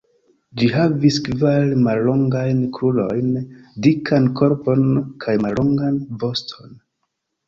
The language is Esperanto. Ĝi havis kvar mallongajn krurojn, dikan korpon, kaj mallongan voston.